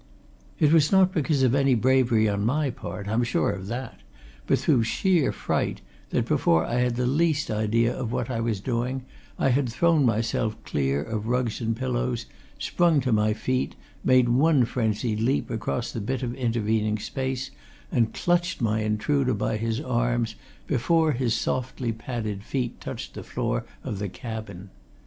It was not because of any bravery on my part I am sure of that but through sheer fright that, before I had the least idea of what I was doing, I had thrown myself clear of rugs and pillows, sprung to my feet, made one frenzied leap across the bit of intervening space and clutched my intruder by his arms before his softly padded feet touched the floor of the cabin.